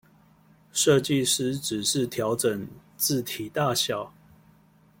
設計師只是調整字體大小